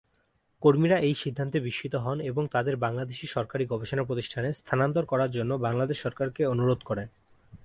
কর্মীরা এই সিদ্ধান্তে বিস্মিত হন এবং তাদের বাংলাদেশী সরকারি গবেষণা প্রতিষ্ঠানে স্থানান্তর করার জন্য বাংলাদেশ সরকারকে অনুরোধ করেন।